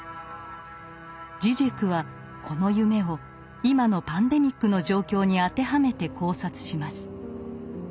ジジェクはこの夢を今のパンデミックの状況に当てはめて考察します。